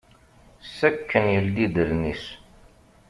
Sakken yeldi-d allen-is.